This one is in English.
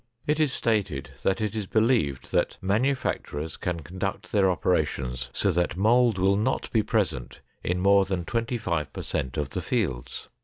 It is stated that it is believed that manufacturers can conduct their operations so that mold will not be present in more than 25 per cent of the fields.